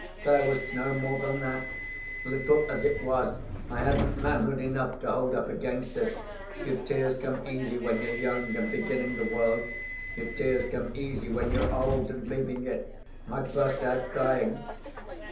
There was no more than that. Little as it was, I hadn't manhood enough to hold up against it. Your tears come easy, when you're young, and beginning the world. Your tears come easy, when you're old, and leaving it. I burst out crying.